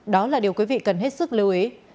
đó là điều quý vị cần hết sức lưu ý